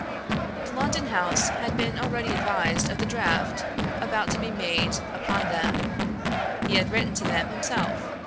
The London house had been already advised of the draft about to be made upon them; he had written to them himself.